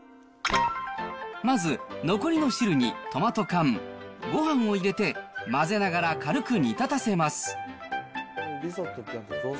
まず残りの汁にトマト缶、ごはんを入れて、混ぜながら軽く煮立たせます。